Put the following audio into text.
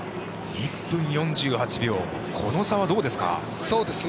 １分４８秒この差はどうですか？